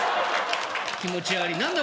気持ち悪い何だ